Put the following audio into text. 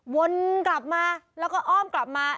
วนกลับมาแล้วก็อ้อมกลับมา